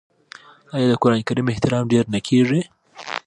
آیا د قران کریم احترام ډیر نه کیږي؟